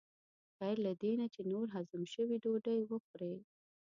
غیر له دې نه چې نور هضم شوي ډوډۍ وخورې.